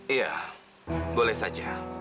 iya boleh saja